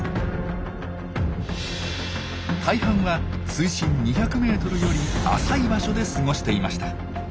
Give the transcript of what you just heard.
大半は水深２００ｍより浅い場所で過ごしていました。